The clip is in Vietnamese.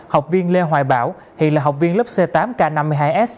học viên lê hoài bảo hiện là học viên lớp c tám k năm mươi hai s